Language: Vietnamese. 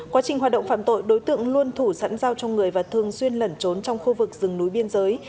quá trình hoạt động phạm tội đối tượng luôn thủ sẵn dao trong người và thường xuyên lẩn trốn trong khu vực rừng núi biên giới